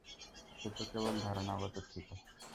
সেটা তো কেবল ধারণাগত ছিল।